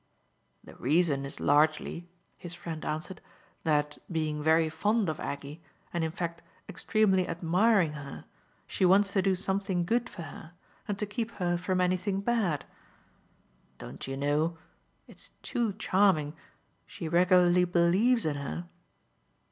"The reason is largely," his friend answered, "that, being very fond of Aggie and in fact extremely admiring her, she wants to do something good for her and to keep her from anything bad. Don't you know it's too charming she regularly believes in her?"